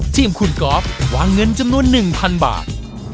เที๊มคุณก็อคหวางเงินจำนวนหนึ่งพันบาท